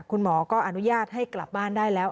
คุณหมอก็อนุญาตให้กลับบ้านได้แล้ว